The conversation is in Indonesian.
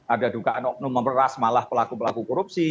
ada dugaan oknum memeras malah pelaku pelaku korupsi